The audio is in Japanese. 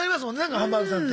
ハンバーグさんって。